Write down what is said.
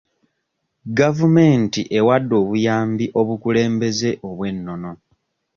Gavumenti ewadde obuyambi obukulembeze obw'ennono.